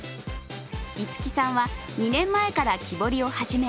いつきさんは２年前から木彫りを始め